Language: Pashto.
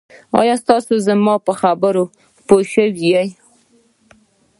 آیا تاسي زما په خبرو پوه شوي